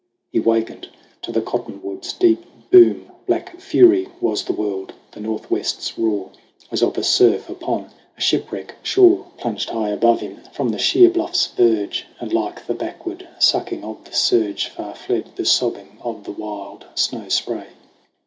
He wakened to the cottonwoods' deep boom. Black fury was the world. The northwest's roar, As of a surf upon a shipwreck shore, 102 SONG OF HUGH GLASS Plunged high above him from the sheer bluff's verge ; And, like the backward sucking of the surge, Far fled the sobbing of the wild snow spray.